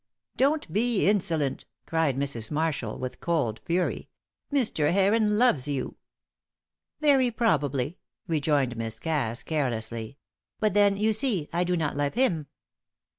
"Don't be insolent," cried Mrs. Marshall, with cold fury. "Mr. Heron loves you." "Very probably," rejoined Miss Cass, carelessly. "But then, you see, I do not love him."